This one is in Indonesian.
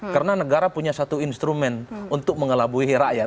karena negara punya satu instrumen untuk mengelabui rakyat